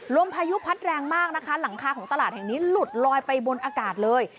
พายุพัดแรงมากนะคะหลังคาของตลาดแห่งนี้หลุดลอยไปบนอากาศเลย